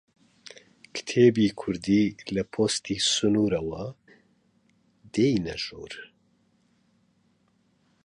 کتێبی کوردی لە پۆستی سنوورەوە دێنیە ژوور؟